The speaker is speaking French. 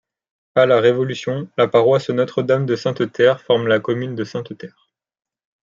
À la Révolution, la paroisse Notre-Dame de Sainte-Terre forme la commune de Sainte-Terre.